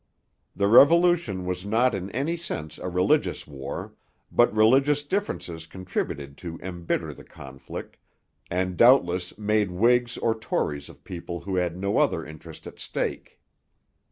The Revolution was not in any sense a religious war; but religious differences contributed to embitter the conflict, and doubtless made Whigs or Tories of people who had no other interest at stake.